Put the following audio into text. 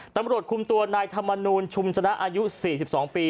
ตำรวจคุมตัวนายธรรมนูลชุมชนะอายุ๔๒ปี